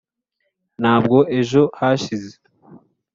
ntabwo ejo hashize?